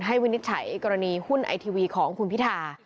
วินิจฉัยกรณีหุ้นไอทีวีของคุณพิธา